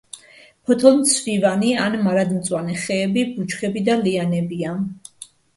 ფოთოლმცვივანი ან მარადმწვანე ხეები, ბუჩქები და ლიანებია.